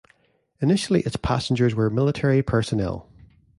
Initially its passengers were military personnel.